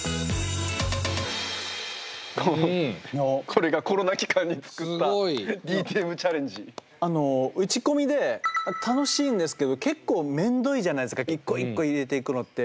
これが打ち込みで楽しいんですけど結構めんどいじゃないですか一個一個入れていくのって。